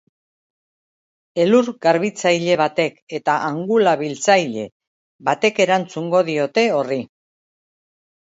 Elur garbitzaile batek eta angula biltzaile batekerantzungo diote horri.